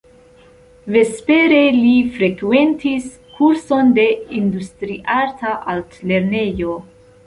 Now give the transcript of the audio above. Vespere li frekventis kurson de Industriarta Altlernejo.